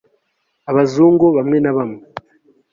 abazungu bamwe na bamwe